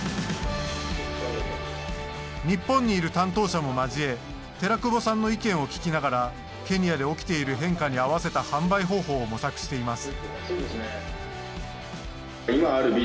日本にいる担当者も交え寺久保さんの意見を聞きながらケニアで起きている変化に合わせた販売方法を模索しています。